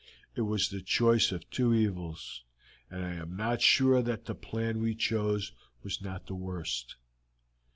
"It was the choice of two evils, and I am not sure that the plan we chose was not the worst.